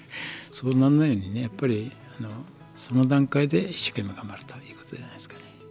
そうなんないようにねやっぱりその段階で一生懸命頑張るということじゃないですかね。